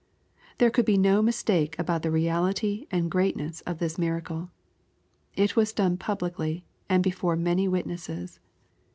There could be no mistake about thn reality and greatness of this miracle. It was done pul>» licly, and before many witnesses.